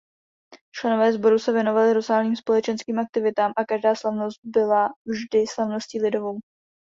Členové Sboru se věnovali rozsáhlým společenským aktivitám a každá slavnost byla vždy slavností lidovou.